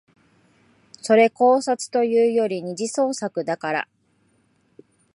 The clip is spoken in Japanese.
それ考察というより二次創作だから